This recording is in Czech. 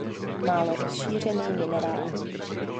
Málo rozšířený minerál.